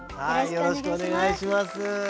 よろしくお願いします。